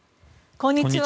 こんにちは。